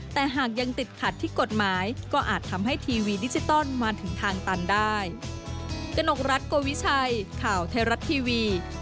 แต่หากยังติดขัดที่กฎหมายก็อาจทำให้ทีวีดิจิตอลมาถึงทางตันได้